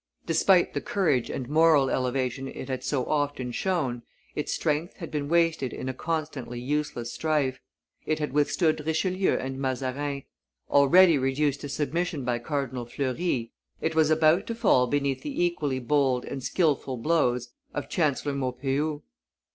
Despite the courage and moral, elevation it had so often shown, its strength had been wasted in a constantly useless strife; it had withstood Richelieu and Mazarin; already reduced to submission by Cardinal Fleury, it was about to fall beneath the equally bold and skilful blows of Chancellor Maupeou.